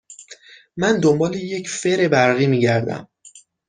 من دنبال یک فر برقی می گردم.